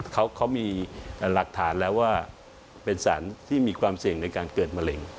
เขามีหลักฐานแล้วว่าเป็นสารที่มีความเสี่ยงในการเกิดมะเร็ง